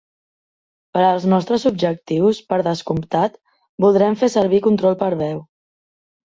Per als nostres objectius, per descomptat, voldrem fer servir control per veu.